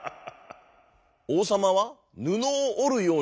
おうさまはぬのをおるようにいいました。